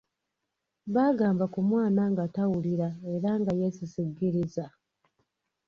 Baagamba ku mwana nga tawulira era nga yeesisiggiriza.